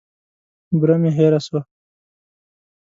بوره مي هېره سوه .